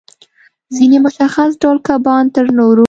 ځینې مشخص ډول کبان تر نورو